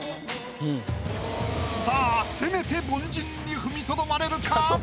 さぁせめて凡人に踏みとどまれるか？